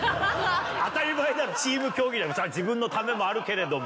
当たり前だろチーム競技自分のためもあるけれども。